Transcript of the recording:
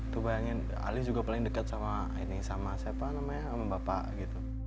tuh bayangin ali juga paling dekat sama ini sama siapa namanya sama bapak gitu